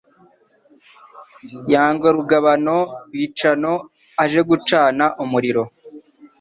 Yanga urugabano, Bicano aje gucana umuriro